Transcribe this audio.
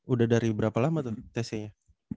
udah dari berapa lama ton tesnya